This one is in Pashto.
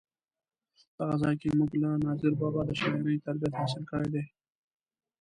دغه ځای کې مونږ له ناظر بابا د شاعرۍ تربیت حاصل کړی دی.